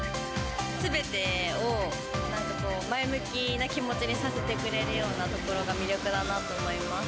すべてをなんかこう、前向きな気持ちにさせてくれるようなところが魅力だなと思います。